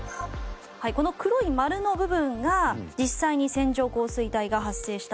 この黒い丸の部分が実際に線状降水帯が発生した場所。